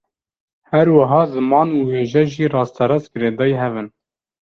Her wiha ziman û wêje jî rasterast girêdayî hev in